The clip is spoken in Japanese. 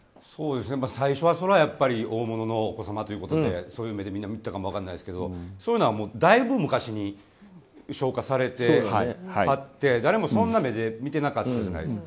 最初はそれは大物のお子様ということでそういう目で見てたかも分からないですけどそういうのはだいぶ昔に消化されて誰もそんな目で見てなかったじゃないですか。